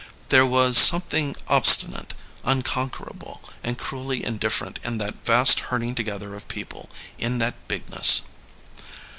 There was something obstinate, unconquerable and cruelly in different in that vast herding together of people, in that bigness."